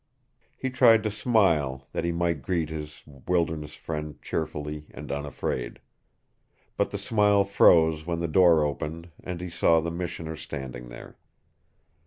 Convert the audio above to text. He tried to smile, that he might greet his wilderness friend cheerfully and unafraid. But the smile froze when the door opened and he saw the missioner standing there.